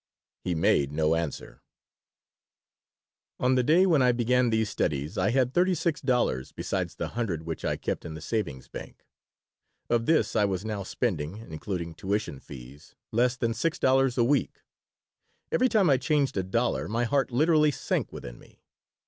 He made no answer On the day when I began these studies I had thirty six dollars besides the hundred which I kept in the savings bank. Of this I was now spending, including tuition fees, less than six dollars a week. Every time I changed a dollar my heart literally sank within me.